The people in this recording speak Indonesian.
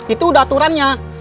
itu udah aturannya